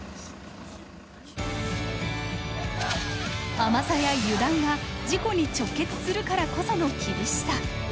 甘さや油断が事故に直結するからこその厳しさ。